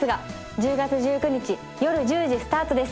１０月１９日夜１０時スタートです